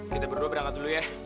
kita berdua berangkat dulu ya